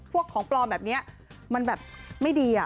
ของปลอมแบบนี้มันแบบไม่ดี